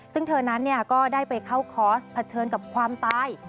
ซึ่งเธอนั้นก็ได้ไปเข้าคอร์สเผชิญกับความตาย